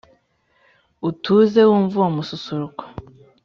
utuze wumve uwo mususuruko